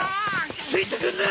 ついてくんな！